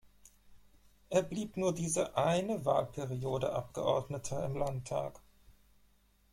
Er blieb nur diese eine Wahlperiode Abgeordneter im Landtag.